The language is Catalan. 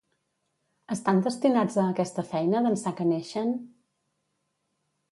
Estan destinats a aquesta feina d'ençà que neixen?